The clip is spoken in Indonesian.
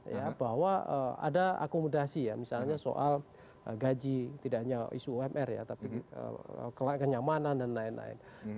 ya bahwa ada akomodasi ya misalnya soal gaji tidak hanya isu umr ya tapi kenyamanan dan lain lain